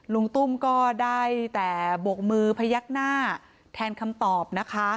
ลุงตุ้มก็ได้แต่บกมือพยักหน้าแทนคำตอบนะคะ